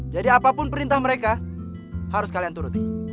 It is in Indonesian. jadi apapun perintah mereka harus kalian turuti